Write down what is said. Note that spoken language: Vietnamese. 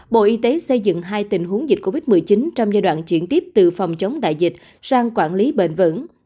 bộ y tế xây dựng hai tình huống dịch covid một mươi chín trong giai đoạn chuyển tiếp từ phòng chống đại dịch sang quản lý bền vững